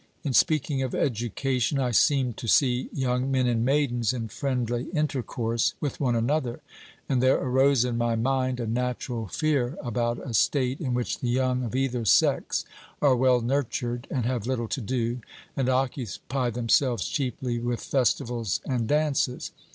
In speaking of education, I seemed to see young men and maidens in friendly intercourse with one another; and there arose in my mind a natural fear about a state, in which the young of either sex are well nurtured, and have little to do, and occupy themselves chiefly with festivals and dances.